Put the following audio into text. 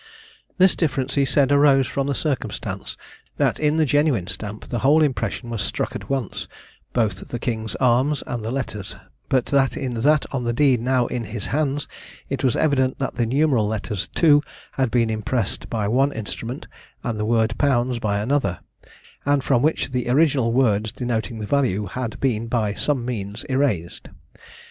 This difference, he said, arose from the circumstance that in the genuine stamp the whole impression was struck at once, both the King's arms and the letters, but that in that on the deed now in his hands, it was evident that the numeral letters "II" had been impressed by one instrument, and the word "Pounds" by another; and from which the original words denoting the value had been by some means erased.